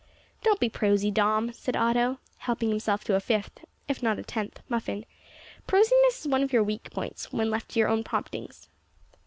"Don't be prosy, Dom," said Otto, helping himself to a fifth, if not a tenth, muffin. "Prosiness is one of your weak points when left to your own promptings."